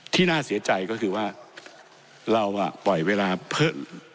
น่าเสียใจก็คือว่าเราปล่อยเวลาเพิ่ม